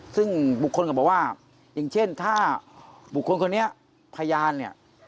ซึ่งบุคคลก็บอกว่าอย่างเช่นถ้าบุคคลคนนี้พยานเนี่ย